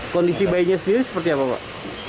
kondisi bayinya sendiri seperti apa pak